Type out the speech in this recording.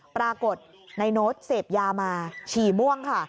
ปรากฏในโน้ตเสพยามาฉี่ม่วงค่ะ